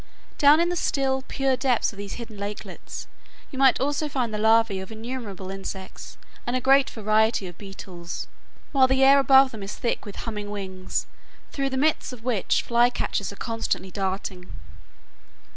Down in the still, pure depths of these hidden lakelets you may also find the larvae of innumerable insects and a great variety of beetles, while the air above them is thick with humming wings, through the midst of which fly catchers are constantly darting.